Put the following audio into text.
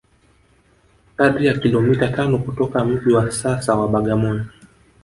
kadri ya kilomita tano kutoka mji wa sasa wa Bagamoyo